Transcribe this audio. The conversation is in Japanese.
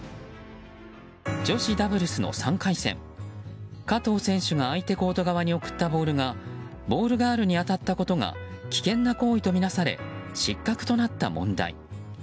女子ダブルスの３回戦加藤選手が相手コート側に送ったボールがボールガールに当たったことが危険な行為とみなされ失格となった問題。